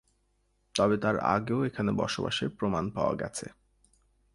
তবে তার আগেও এখানে বসবাসের প্রমাণ পাওয়া গেছে।